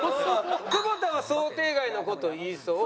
久保田は想定外の事言いそう。